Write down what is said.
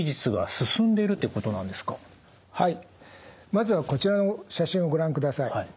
まずはこちらの写真をご覧ください。